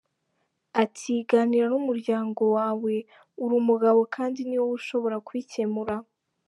Ati “Ganira n’umuryango wawe, uri umugabo kandi ni wowe ushobora kubikemura.